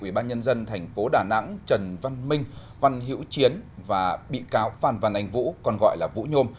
ubnd tp đà nẵng trần văn minh văn hiễu chiến và bị cáo phan văn anh vũ còn gọi là vũ nhôm